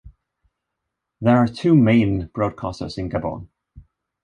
There are two main broadcasters in Gabon.